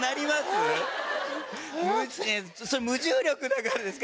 ねえそれ無重力だからですか？